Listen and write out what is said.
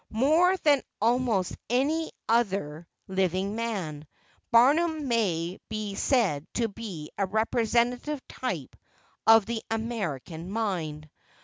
More than almost any other living man, Barnum may be said to be a representative type of the American mind.